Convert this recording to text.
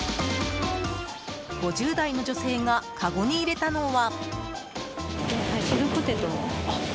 ５０代の女性がかごに入れたのは。